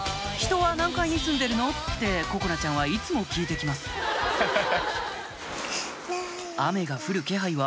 「人は何階に住んでるの？」って心菜ちゃんはいつも聞いて来ますハハハ！